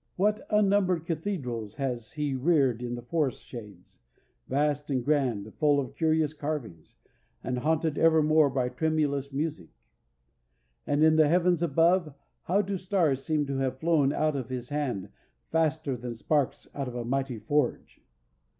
What unnumbered cathedrals has he reared in the forest shades, vast and grand, full of curious carvings, and haunted evermore by tremulous music; and in the heavens above, how do stars seem to have flown out of his hand faster than sparks out of a mighty forge!